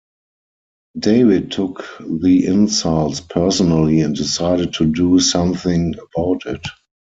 David took the insults personally and decided to do something about it.